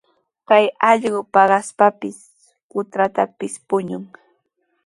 Kay allqu paqaspapis, puntrawpis puñun.